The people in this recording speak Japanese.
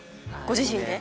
ご自身で？